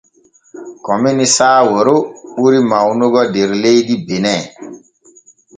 Komini saawaro ɓuri mawnugo der leydi bene.